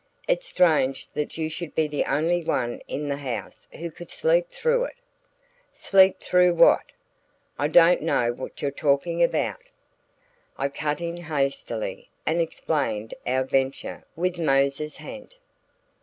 It's strange that you should be the only one in the house who could sleep through it." "Sleep through what? I don't know what you're talking about." I cut in hastily and explained our adventure with Mose's ha'nt.